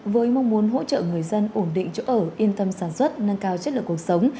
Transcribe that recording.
với mong muốn hỗ trợ người dân ổn định chỗ ở yên tâm sản xuất nâng cao chất lượng cuộc sống